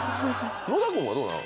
野田君はどうなん？